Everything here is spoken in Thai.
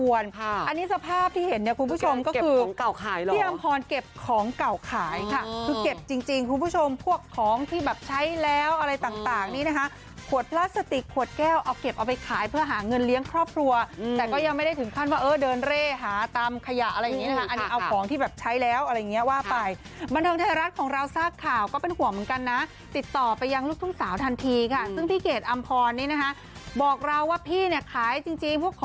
ควรค่ะอันนี้สภาพที่เห็นเนี่ยคุณผู้ชมก็คือเก็บของเก่าขายแล้วที่อำพอลเก็บของเก่าขายค่ะคือเก็บจริงจริงคุณผู้ชมพวกของที่แบบใช้แล้วอะไรต่างนี้นะคะขวดพลาสติกขวดแก้วเอาเก็บเอาไปขายเพื่อหาเงินเลี้ยงครอบครัวแต่ก็ยังไม่ได้ถึงขั้นว่าเออเดินเล่หาตำขยะอะไรอย่างนี้นะคะอันนี้เอาของที่แบบใช้แล้ว